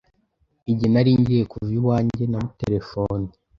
Igihe nari ngiye kuva iwanjye, namuterefonnye.